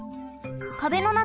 壁の中